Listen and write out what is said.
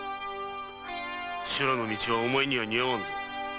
修羅の道はお前には似合わんぞ。